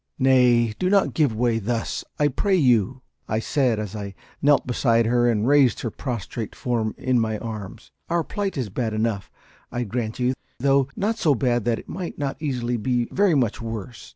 "Nay, do not give way thus, I pray you," I said, as I knelt beside her and raised her prostrate form in my arms. "Our plight is bad enough, I grant you, though not so bad that it might not easily be very much worse.